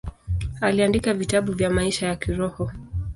Aliandika vitabu vya maisha ya kiroho.